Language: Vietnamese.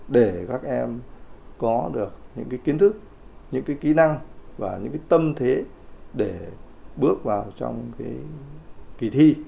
để các em có được những kiến thức những kỹ năng và những tâm thế để bước vào trong kỳ thi